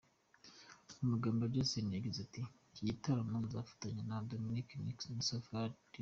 Mu magabo ye Justin yagize ati « Icyi gitaramo nzafatanya na Dominic Nic, Safari J.